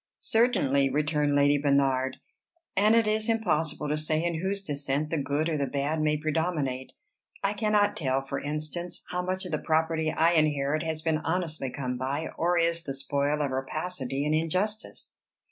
"Certainly," returned Lady Bernard; "and it is impossible to say in whose descent the good or the bad may predominate. I cannot tell, for instance, how much of the property I inherit has been honestly come by, or is the spoil of rapacity and injustice."